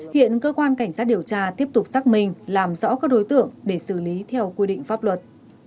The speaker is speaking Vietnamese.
hiện cơ quan cảnh sát điều tra tiếp tục xác minh làm rõ các đối tượng để xử lý theo quy định pháp luật